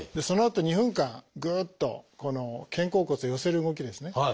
そのあと２分間グッとこの肩甲骨を寄せる動きですね